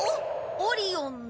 オリオンの。